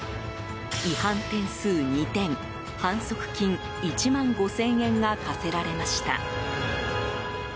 違反点数２点反則金１万５０００円が科せられました。